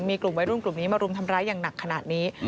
มีกลุ่มวัยรุ่นกลุ่มนี้มารุมทำร้ายอย่างหนักขนาดนี้